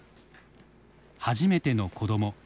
初めての子ども。